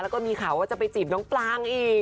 แล้วก็มีข่าวว่าจะไปจีบน้องปลางอีก